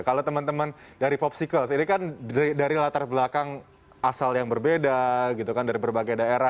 kalau teman teman dari popsicles ini kan dari latar belakang asal yang berbeda gitu kan dari berbagai daerah